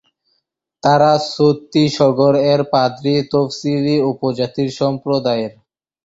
তাঁরা ছত্তিশগড়-এর পাদ্রী তফসিলি উপজাতি সম্প্রদায়ের।